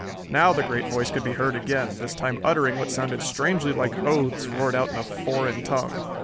Now the great voice could be heard again, this time uttering what sounded strangely like oaths roared out in a foreign tongue.